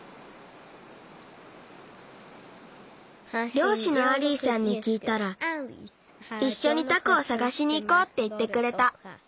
りょうしのアリーさんにきいたらいっしょにタコをさがしにいこうっていってくれた。